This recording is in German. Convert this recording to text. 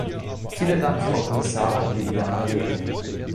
Vielen Dank, Frau Kommissarin Viviane Reding.